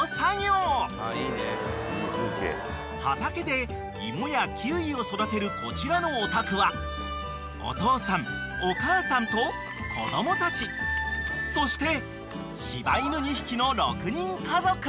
［畑でイモやキウイを育てるこちらのお宅はお父さんお母さんと子供たちそして柴犬２匹の６人家族］